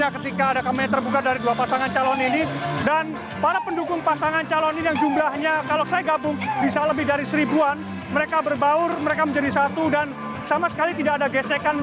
ketika ada kami terbuka dari dua pasangan calon ini dan para pendukung pasangan calon ini yang jumlahnya kalau saya gabung bisa lebih dari seribuan mereka berbaur mereka menjadi satu dan sama sekali tidak ada gesekan